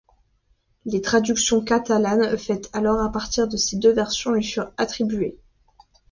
Les traductions catalanes faites alors à partir de ces deux versions lui furent attribuées.